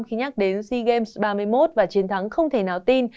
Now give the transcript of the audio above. khi nhắc đến sea games ba mươi một và chiến thắng không thể nào tin